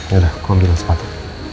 yaudah aku ambil sepatu